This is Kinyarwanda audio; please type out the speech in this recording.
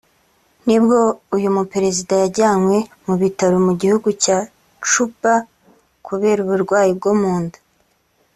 nibwo uyu muperezida yajyanwe mu bitaro mu gihugu cya Cuba kubera uburwayi bwo mu nda